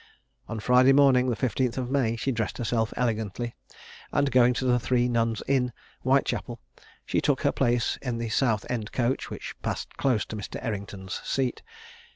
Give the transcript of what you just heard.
On Friday morning, the 15th of May, she dressed herself elegantly, and going to the Three Nuns Inn, Whitechapel, she took her place in the Southend coach, which passed close to Mr. Errington's seat.